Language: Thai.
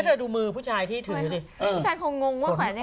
ก็จะดูมือผู้ชายที่ถือดิผู้ชายของงงว่าแขนอะไรไง